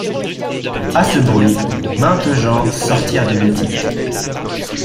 A ce bruit, maintes gens sortirent des boutiques.